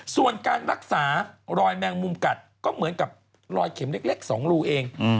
ส่วนการรักษารอยแมงมุมกัดก็เหมือนกับรอยเข็มเล็ก๒รูเอง